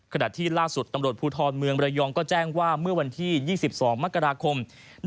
ขณะที่ล่าสุดตำรวจภูทรเมืองระยองก็แจ้งว่าเมื่อวันที่๒๒มกราคม